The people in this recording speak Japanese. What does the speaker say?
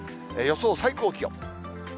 予想最高気温。